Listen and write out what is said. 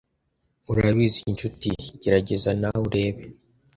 Urabizi, nshuti, gerageza nawe urebe